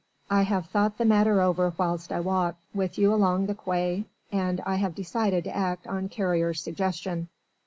I have thought the matter over whilst I walked with you along the quay and I have decided to act on Carrier's suggestion.